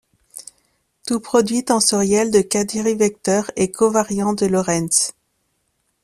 Tout produit tensoriel de quadrivecteurs est covariant de Lorentz.